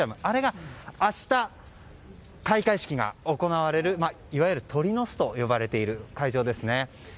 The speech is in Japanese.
あれが明日、開会式が行われるいわゆる鳥の巣と呼ばれている会場です。